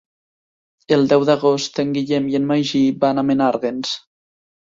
El deu d'agost en Guillem i en Magí van a Menàrguens.